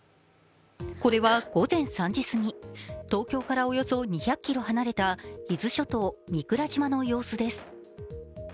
これは午前時すぎ、東京からおよそ２００ｋｍ離れた伊豆諸島・御蔵島の様子です。